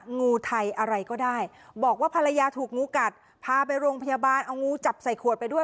งูไทยอะไรก็ได้บอกว่าภรรยาถูกงูกัดพาไปโรงพยาบาลเอางูจับใส่ขวดไปด้วย